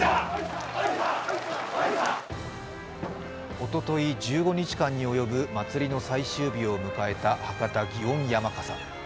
おととい、１５日間に及ぶ祭りの最終日を迎えた博多祇園山笠。